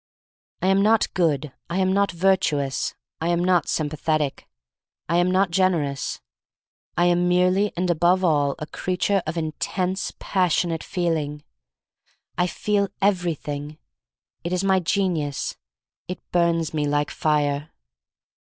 — I am not good. I am not virtuous. I am not sympathetic. I am not gener ous. I am merely and above all a creature of intense passionate feeling. I feel — everything. It is my genius. It burns me like fire.